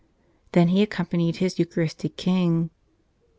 Then he accompanied his Eucharistic King.